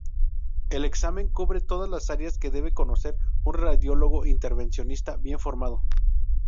El examen cubre todas las áreas que debe conocer un radiólogo intervencionista bien formado.